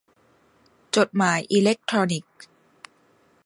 จดหมายอิเล็กทรอนิกส์